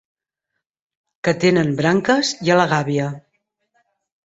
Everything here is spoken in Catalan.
Que tenen branques i a la gàbia.